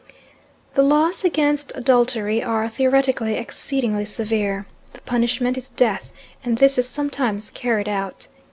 The laws against adultery are, theoretically, exceedingly severe. The punishment is death, and this is sometimes carried out.